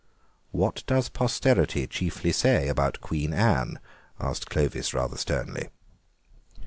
"What does posterity chiefly say about Queen Anne?" asked Clovis rather sternly.